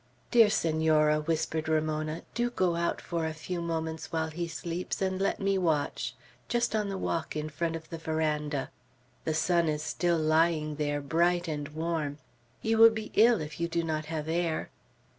"Dear Senora," whispered Ramona, "do go out for a few moments while he sleeps, and let me watch, just on the walk in front of the veranda. The sun is still lying there, bright and warm. You will be ill if you do not have air."